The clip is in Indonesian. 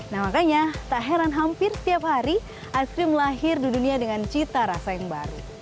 nah makanya tak heran hampir setiap hari es krim lahir di dunia dengan cita rasa yang baru